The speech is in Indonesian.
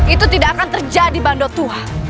itu tidak akan terjadi bandel tua